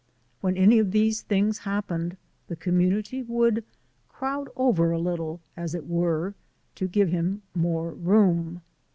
When any of these things happened the community would crowd over a little, as it were, to give him more room.